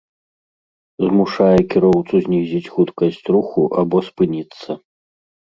змушае кіроўцу знізіць хуткасць руху або спыніцца